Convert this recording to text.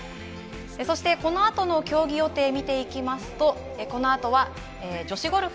この後の競技予定を見ていきますと、この後は女子ゴルフ。